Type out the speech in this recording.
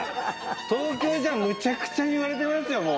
東京じゃむちゃくちゃ言われてますよ、もう。